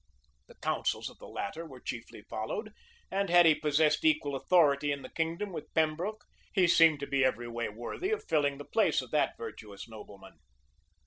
The counsels of the latter were chiefly followed; and had he possessed equal authority in the kingdom with Pembroke, he seemed to be every way worthy of filling the place of that virtuous nobleman.